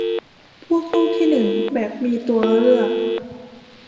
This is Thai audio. พวกโลกที่หนึ่งแบบมีตัวเลือก